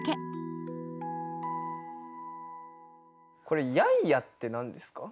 これ「ヤンヤ」って何ですか？